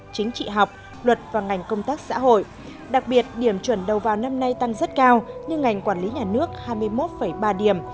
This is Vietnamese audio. chính trị học luật và ngành công tác xã hội đặc biệt điểm chuẩn đầu vào năm nay tăng rất cao nhưng ngành quản lý nhà nước hai mươi một ba điểm